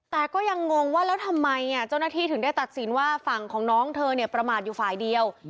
แต่ก็ยังงงว่าแล้วทำไมเจ้าหน้าที่ถึงได้ตัดสินว่าฝั่งของน้องเธอเนี่ยประมาทอยู่ฝ่ายเดียว